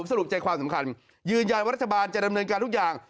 สรุปใจความสำคัญยืนยันว่ารัฐบาลจะดำเนินการทุกอย่าง